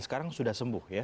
sekarang sudah sembuh ya